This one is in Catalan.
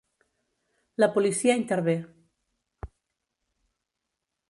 La policia intervé.